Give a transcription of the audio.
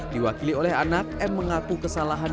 diwakili oleh anak m mengaku kesalahan